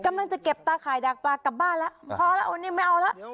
กำลังจะเก็บตาข่ายดักปลากลับบ้านแล้วพอแล้ววันนี้ไม่เอาแล้ว